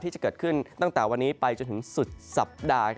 ที่จะเกิดขึ้นตั้งแต่วันนี้ไปจนถึงสุดสัปดาห์